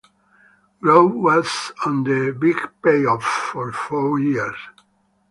Grove was on "The Big Payoff" for four years.